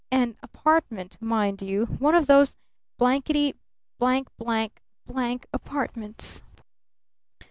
"An apartment, mind you! One of those blankety blank blank blank apartments!"